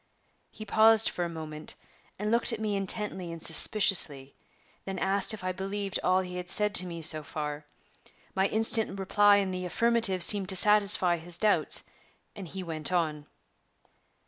He paused for a moment, and looked at me intently and suspiciously; then asked if I believed all he had said to me so far. My instant reply in the affirmative seemed to satisfy his doubts, and he went on.